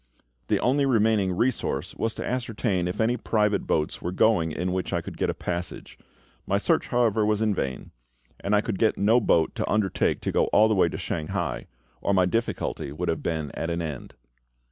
The only remaining resource was to ascertain if any private boats were going in which I could get a passage. My search, however, was in vain; and I could get no boat to undertake to go all the way to Shanghai, or my difficulty would have been at an end.